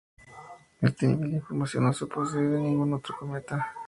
Este nivel de información no se posee de ningún otro cometa.